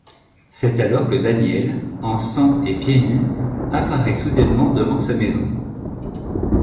C'est alors que Daniel, en sang et pieds nus, apparaît soudainement devant sa maison.